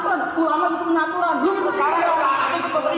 pemerintah penyaturan ulama penyaturan